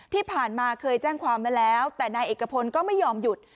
ที่ผ่านมาเคยแจ้งความไว้แล้วแต่นายเอกพลก็ไม่ยอมหยุด